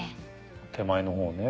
手前のほうね。